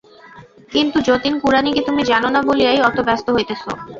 কিন্তু যতীন, কুড়ানিকে তুমি জান না বলিয়াই অত ব্যস্ত হইতেছ।